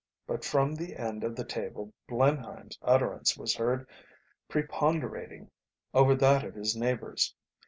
But from the end of the table Blenheim's utterance was heard preponderating over that of his neighbours.